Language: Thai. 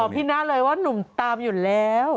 พี่หน้าเลยว่าหนุ่มตามอยู่แล้ว